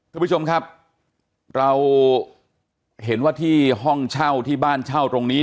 คุณผู้ชมครับเราเห็นว่าที่ห้องเช่าที่บ้านเช่าตรงนี้